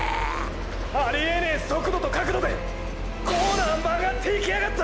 ありえねぇ速度と角度でコーナー曲がっていきやがった！！